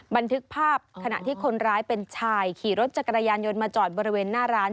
บันทึกภาพขณะที่คนร้ายเป็นชายขี่รถจักรยานยนต์มาจอดบริเวณหน้าร้าน